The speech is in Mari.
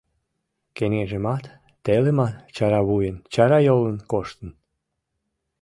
Кеҥежымат, телымат чаравуйын, чарайолын коштын.